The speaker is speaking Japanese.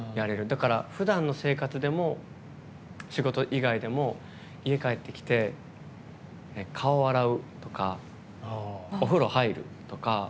だから、ふだんの生活でも仕事以外でも家帰ってきて、顔を洗うとかお風呂入るとか。